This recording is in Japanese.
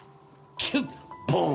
キュッボーン。